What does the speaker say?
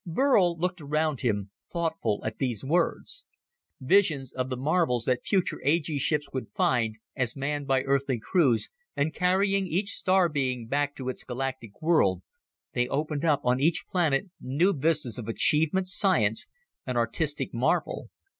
Burl looked around him, thoughtful at these words. Visions of the marvels that future A G ships would find, as, manned by Earthly crews and carrying each star being back to its galactic world, they opened up on each planet new vistas of achievement, science, and artistic marvel.